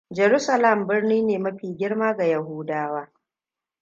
Jerusalem ne birni mafi girma ga Yahudawa.